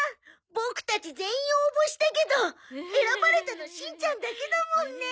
ボクたち全員応募したけど選ばれたのしんちゃんだけだもんね。